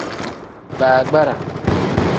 Baagbara.